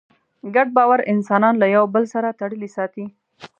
ګډ باور انسانان له یوه بل سره تړلي ساتي.